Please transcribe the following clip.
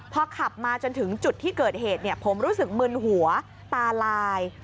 พอขับมาจนถึงจุดที่เกิดเหตุผมรู้สึกมึนหัวตาลาย